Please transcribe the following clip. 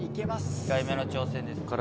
２回目の挑戦です。